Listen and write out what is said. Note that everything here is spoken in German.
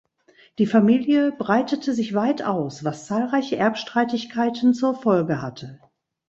Die Familie breitete sich weit aus, was zahlreiche Erbstreitigkeiten zur Folge hatte.